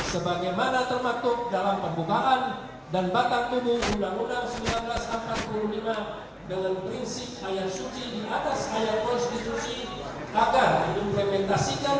sebagai mana termaktub dalam pembukaan dan batang tubuh undang undang seribu sembilan ratus empat puluh lima